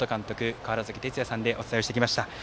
川原崎哲也さんでお伝えをしてきました。